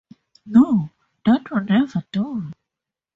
No, that would never do.